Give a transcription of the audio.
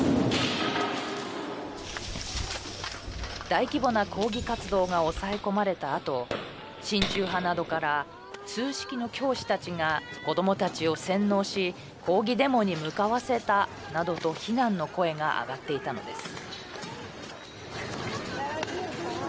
大規模な抗議活動が抑え込まれたあと親中派などから通識の教師たちが子どもたちを洗脳し抗議デモに向かわせたなどと非難の声が上がっていたのです。